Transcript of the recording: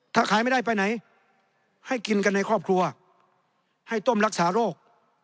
ถ้าขายไม่ได้ไปไหนให้กินกันในครอบครัวให้ต้มรักษาโรค